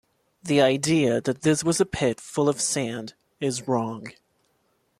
The idea that this was a pit full of sand is wrong.